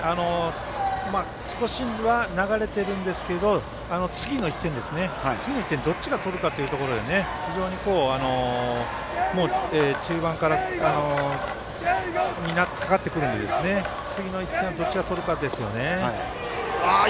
少しは流れてるんですけど次の１点ですね、次の１点をどっちが取るかということでもう中盤に、さしかかってるので次の１点をどっちが取るかですね。